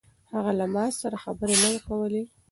هغه له ما سره خبرې نه کولې.